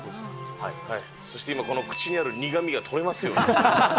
そして今この口にある苦みが取れますように。